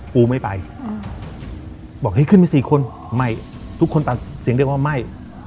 กูไม่ไปบอกเฮ้ยขึ้นไปสี่คนไม่ทุกคนปากเสียงเรียกว่าไหม้